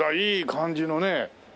いい感じのね。